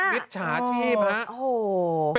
มิตรชาชีพ